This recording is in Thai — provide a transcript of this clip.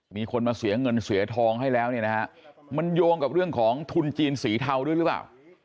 มีคนมาเสียเงินเสียทองให้แล้วเนี่ยนะฮะมันโยงกับเรื่องของทุนจีนสีเทาด้วยหรือเปล่า